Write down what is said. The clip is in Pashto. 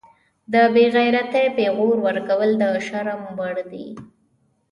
د بیغیرتۍ پیغور ورکول د شرم وړ دي